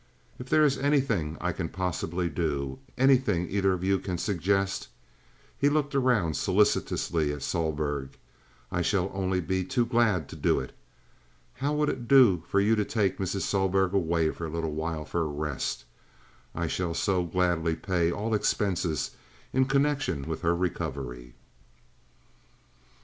If there is anything I can possibly do—anything either of you can suggest"—he looked around solicitously at Sohlberg—"I shall only be too glad to do it. How would it do for you to take Mrs. Sohlberg away for a little while for a rest? I shall so gladly pay all expenses in connection with her recovery."